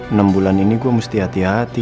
enam bulan ini gue mesti hati hati